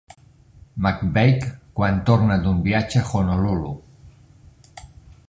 McVeigh quan torna d'un viatge a Honolulu.